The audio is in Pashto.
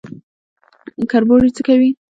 کربوړی څه کوي؟